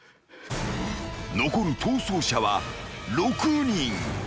［残る逃走者は６人］